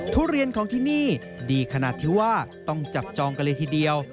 ทุเรียนของที่นี่ดีขนาดที่ว่าต้องจับจองกันเลยทีเดียว